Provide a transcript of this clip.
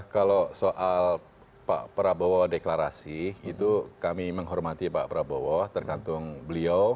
kalau soal pak prabowo deklarasi itu kami menghormati pak prabowo tergantung beliau